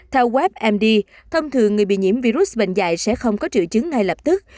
theo webmd thông thường người bị nhiễm virus bệnh dạy sẽ không có triệu chứng ngay lập tức